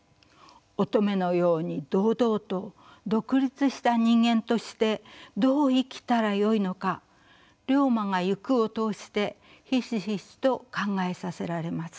乙女のように堂々と独立した人間としてどう生きたらよいのか「竜馬がゆく」を通してひしひしと考えさせられます。